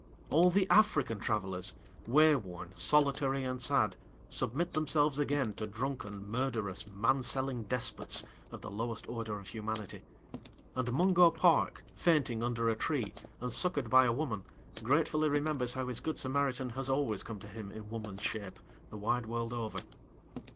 All the African travellers, wayworn, solitary and sad, submit themselves again to drunken, murderous, man selling despots, of the lowest order of humanity; and Mungo Park, fainting under a tree and succoured by a woman, gratefully remembers how his Good Samaritan has always come to him in woman's shape, the wide world over.